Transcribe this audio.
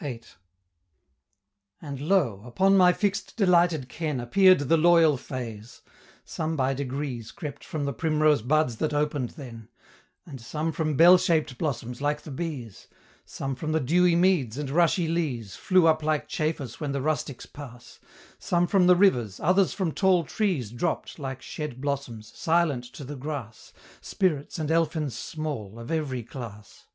VIII. And lo! upon my fix'd delighted ken Appear'd the loyal Fays. Some by degrees Crept from the primrose buds that open'd then, Ana some from bell shaped blossoms like the bees, Some from the dewy meads, and rushy leas, Flew up like chafers when the rustics pass; Some from the rivers, others from tall trees Dropp'd, like shed blossoms, silent to the grass, Spirits and elfins small, of every class.